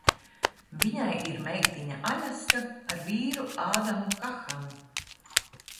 Viņai ir meitiņa Aļaska ar vīru Adamu Kahanu.